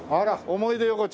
思い出横丁。